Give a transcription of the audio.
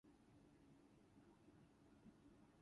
She has directed such films as "Real Genius" and "Rambling Rose".